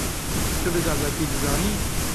Tu bi zazakî dizanî?